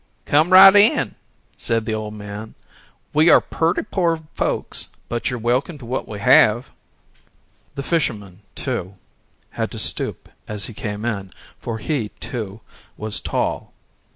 "Come right in!" said the old man, "we are purty pore folks, but you're welcome to what we have." The fisherman, too, had to stoop as he came in, for he, too, was tall.